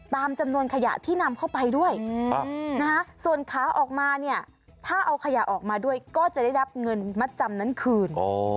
ตามจำนวนขยะที่นำเข้าไปด้วยส่วนขาออกมาเนี่ยถ้าเอาขยะออกมาด้วยก็จะได้รับเงินมัดจำนั้นคืน